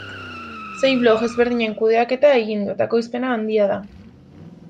Sei blog ezberdinen kudeaketa egin du, eta ekoizpena handia da.